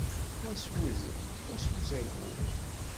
Wa s wudem, wa s uzagur.